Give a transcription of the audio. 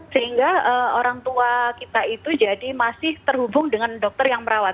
sehingga orang tua kita itu jadi masih terhubung dengan dokter yang merawat